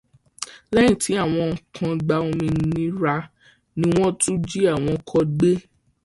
Lẹ́yìn tí áwọn kan gba òmìnira, ni wọ́n tún jí àwọn kan gbé.